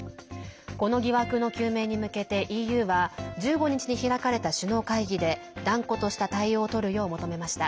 この疑惑の究明に向けてＥＵは１５日に開かれた首脳会議で断固とした対応をとるよう求めました。